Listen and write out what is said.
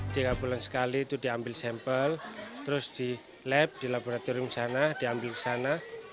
tiga bulan sekali itu diambil sampel terus di lab di laboratorium sana diambil ke sana